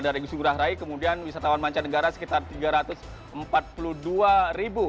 bandara inggris tenggara rai kemudian wisatawan mancanegara sekitar tiga ratus empat puluh dua ribu